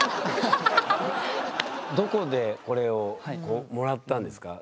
どこでこれをもらったんですか？